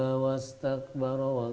kisah hidupnya yang terbaik